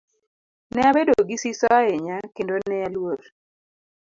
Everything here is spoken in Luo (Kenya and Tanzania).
Ne abedo gi siso ahinya kendo ne aluor.